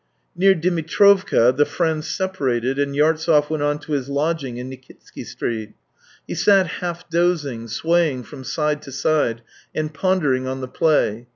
Near Dmitrovka the friends separated, and Yartsev went on to his lodging in Nikitsky Street. He sat half dozing, swaying from side to side, and pondering on the play.